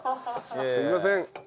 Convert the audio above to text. すいません。